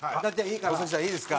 いいですか？